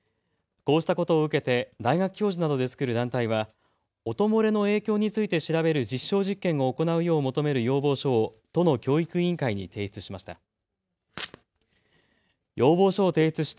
こうしたことを受けて大学教授などで作る団体は音漏れの影響について調べる実証実験を行うよう求める要望書を都の教育委員会に提出しました。